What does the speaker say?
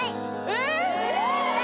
えっ？